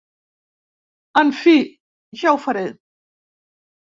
En fi: ja ho faré!